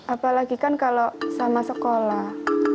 apalagi kan kalau sama sekolah